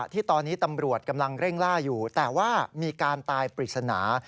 ที่ตอนนี้ตำรวจกำลังเร่งล่าอยู่แต่ว่ามีการตายปริศนา